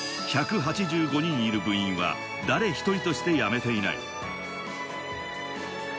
１８５人いる部員は誰一人として辞めていない。